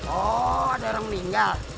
oh ada orang meninggal